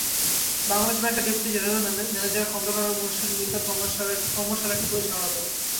বাংলাদেশ ব্যাংকের deputy general manager Khandaker Morshed Millat কর্মশালাটি পরিচালনা করেন।